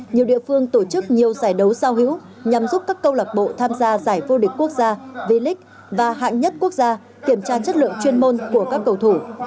nhiều địa phương tổ chức nhiều giải đấu giao hữu nhằm giúp các câu lạc bộ tham gia giải vô địch quốc gia v league và hạng nhất quốc gia kiểm tra chất lượng chuyên môn của các cầu thủ